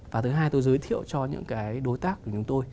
và thứ hai tôi giới thiệu cho những cái đối tác của chúng tôi